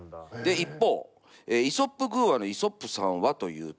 一方イソップ寓話のイソップさんはというとこちらです。